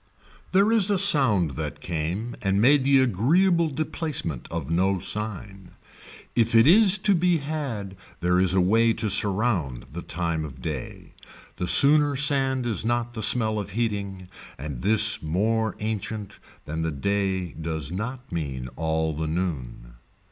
There is a sound that came and made the agreeable deplacement of no sign. If it is to be had there is a way to surround the time of day. The sooner sand is not the smell of heating and this more ancient than the day does not mean all the noon.